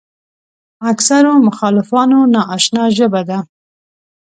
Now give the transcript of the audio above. اکثرو مخالفانو ناآشنا ژبه ده.